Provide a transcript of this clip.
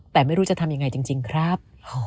แต่ไม่รู้จะทำยังไงจริงครับ